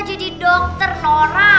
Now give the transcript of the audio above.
jadi dokter nora